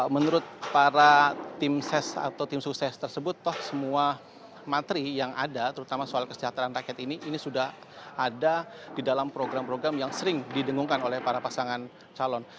menurut para tim ses atau tim sukses tersebut toh semua materi yang ada terutama soal kesejahteraan rakyat ini ini sudah ada di dalam program program yang sering didengungkan oleh para pasangan calon